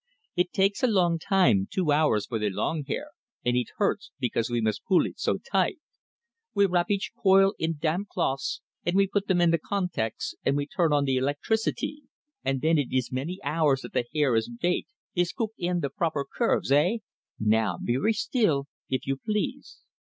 Eet takes a long time two hours for the long hair; and eet hurts, because we must pull eet so tight. We wrap each coil een damp cloths, and we put them een the contacts, and we turn on the eelectreeceetee and then eet ees many hours that the hair ees baked, ees cooked een the proper curves, eh? Now, very steel, eef you please!"